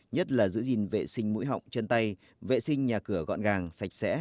nhất là giữ gìn vệ sinh mũi họng chân tay vệ sinh nhà cửa gọn gàng sạch sẽ